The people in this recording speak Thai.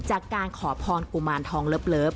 จากการขอพรกุมารทองเลิฟ